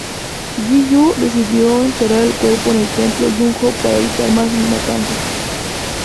Xi Yu decidió enterrar el cuerpo en el templo Yun-Ho para evitar mas matanzas.